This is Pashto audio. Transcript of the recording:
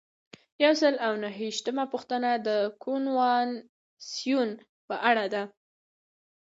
یو سل او نهه ویشتمه پوښتنه د کنوانسیون په اړه ده.